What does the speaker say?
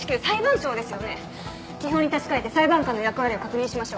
基本に立ち返って裁判官の役割を確認しましょう。